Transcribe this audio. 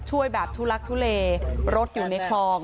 ช่วยแบบทุลักทุเลรถอยู่ในคลอง